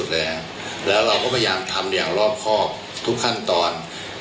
แล้วเราก็พยายามทำอย่างรอบครอบทุกขั้นตอน